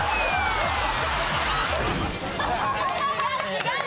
違う。